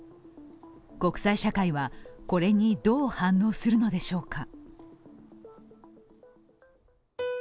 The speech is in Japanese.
国際社会は、これにどう反応するのでしょうか。